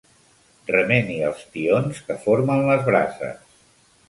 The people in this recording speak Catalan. Remeni els tions que formen les brases.